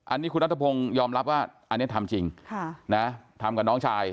อันนี้คุณนัทพงศ์ยอมรับว่าอันนี้ทำจริงทำกับน้องชาย